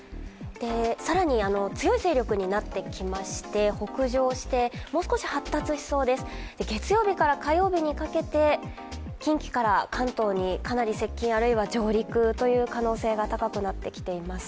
更に強い勢力になってきまして北上して、もう少し発達しそうです月曜日から火曜日にかけて近畿から関東にかなり接近、あるいは上陸という可能性が高くなってきています。